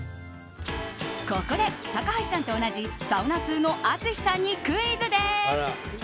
ここで高橋さんと同じサウナ通の淳さんにクイズです。